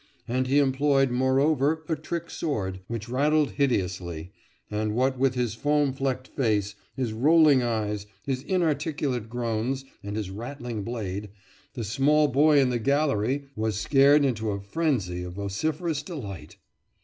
and he employed, moreover, a trick sword, which rattled hideously; and, what with his foam flecked face, his rolling eyes, his inarticulate groans, and his rattling blade, the small boy in the gallery was scared into a frenzy of vociferous delight!